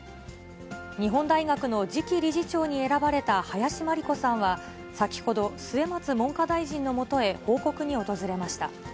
日本大学の次期理事長に選ばれた林真理子さんは、先ほど、末松文科大臣のもとへ報告に訪れました。